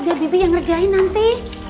biar bibi yang ngerjain nanti